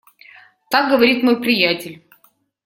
Так говорит мой приятель.